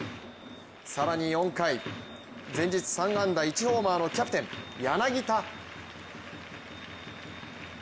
更に４回、前日３安打１ホーマーのキャプテン・柳田。